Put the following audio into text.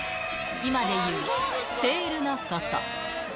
今でいうセールのこと。